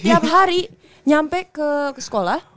setiap hari nyampe ke sekolah